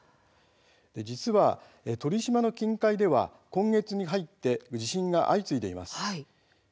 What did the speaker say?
実は鳥島近海では今月に入って地震が相次いでいます。